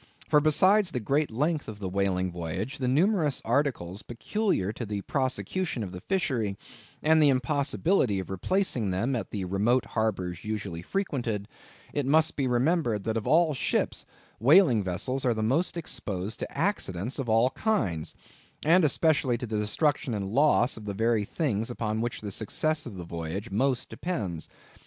For besides the great length of the whaling voyage, the numerous articles peculiar to the prosecution of the fishery, and the impossibility of replacing them at the remote harbors usually frequented, it must be remembered, that of all ships, whaling vessels are the most exposed to accidents of all kinds, and especially to the destruction and loss of the very things upon which the success of the voyage most depends.